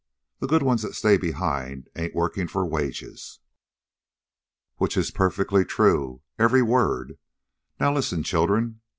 The good ones that stay behind ain't workin' for wages." "Which is perfectly true, every word. Now listen, children.